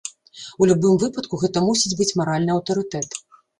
У любым выпадку гэта мусіць быць маральны аўтарытэт.